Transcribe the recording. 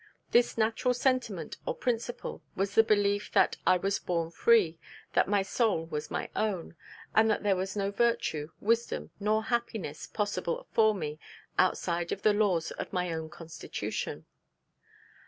This natural sentiment, or principle, was the belief that '_I was born free: that my soul was my own: and that there was no virtue, wisdom, nor happiness possible for me outside of the laws of my own constitution_.'